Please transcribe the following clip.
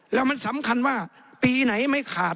แล้วมันสำคัญว่าปีไหนไม่ขาด